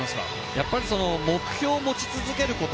やっぱり目標を持ち続けること。